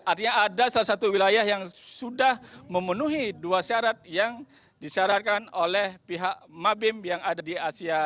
artinya ada salah satu wilayah yang sudah memenuhi dua syarat yang disyaratkan oleh pihak mabim yang ada di asia